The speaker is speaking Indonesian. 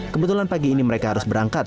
kebetulan pagi ini mereka harus berangkat